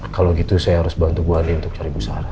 kalau gitu saya harus bantu gue andi untuk cari ibu sarah